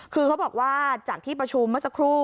คือเขาบอกว่าจากที่ประชุมเมื่อสักครู่